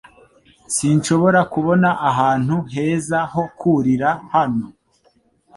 Sinshobora kubona ahantu heza ho kurira hano.